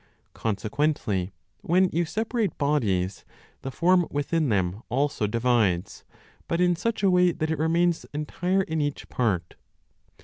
Consequently, when you separate bodies, the form within them also divides, but in such a way that it remains entire in each part.